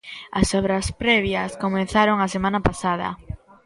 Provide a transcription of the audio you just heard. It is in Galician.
As obras previas comezaron a semana pasada.